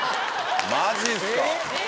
マジですか？